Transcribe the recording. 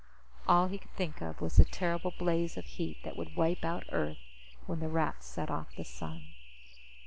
All he could think of was the terrible blaze of heat that would wipe out Earth when the Rats set off the sun.